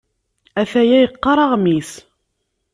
Atan yeqqar aɣmis.